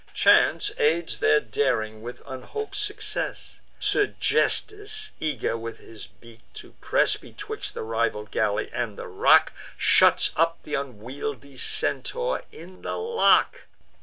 Chance aids their daring with unhop'd success; Sergesthus, eager with his beak to press Betwixt the rival galley and the rock, Shuts up th' unwieldly Centaur in the lock.